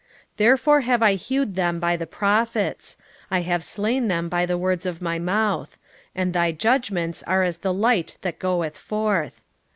6:5 Therefore have I hewed them by the prophets; I have slain them by the words of my mouth: and thy judgments are as the light that goeth forth.